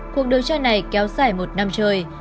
cuộc điều tra này kéo dài một năm trời